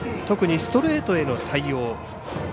特にストレートへの対応。